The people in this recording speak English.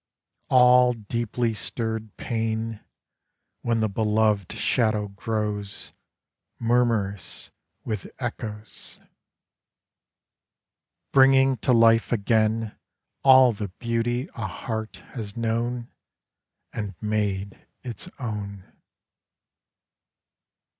All deeply stirred pain When the beloved shadow grows Murmurous with echoes Bringing to life again All the beauty a heart has known And made its own.